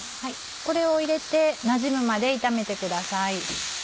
これを入れてなじむまで炒めてください。